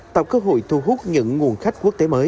tạo cơ hội thu hút những nguồn khách quốc tế mới